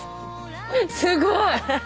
すごい！